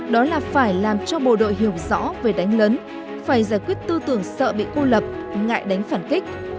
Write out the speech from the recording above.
đó là phải làm cho bộ đội hiểu rõ về đánh lấn phải giải quyết tư tưởng sợ bị cô lập ngại đánh phản kích